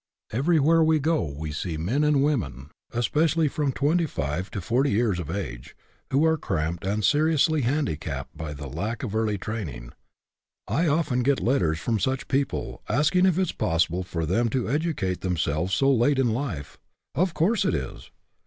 Everywhere we go we see men and wo men, especially from twenty five to forty years of age, who are cramped and seriously handicapped by the lack of early training. I often get letters from such people, asking if it is possible for them to educate themselves so late in life. Of course it is.